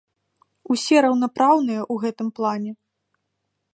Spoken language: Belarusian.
Усе раўнапраўныя ў гэтым плане.